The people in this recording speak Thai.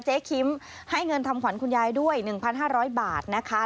คิมให้เงินทำขวัญคุณยายด้วย๑๕๐๐บาทนะคะ